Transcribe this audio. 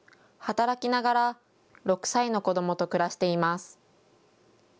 働きながら６歳の子どもと暮らしています。